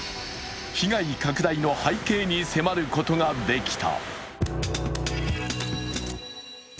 被害拡大の背景に迫ることができた。